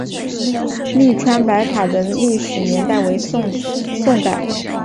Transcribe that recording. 栗川白塔的历史年代为宋代。